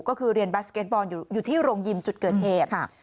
ก็คือเรียนบาสเก็ตบอลอยู่ที่โรงยิมจุดเกิดเหตุ